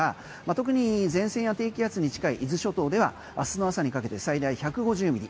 特に前線や低気圧に近い伊豆諸島ではあすの朝にかけて最大１５０ミリ